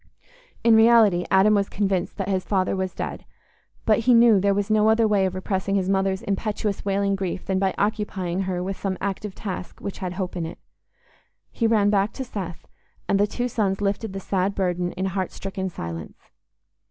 In reality Adam was convinced that his father was dead but he knew there was no other way of repressing his mother's impetuous wailing grief than by occupying her with some active task which had hope in it. He ran back to Seth, and the two sons lifted the sad burden in heart stricken silence.